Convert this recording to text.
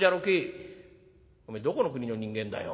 「おめえどこの国の人間だよ？